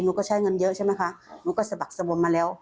หนูก็ใช้เงินเยอะใช่ไหมคะหนูก็สะบักสบวนมาแล้ว